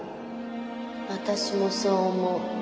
私もそう思う。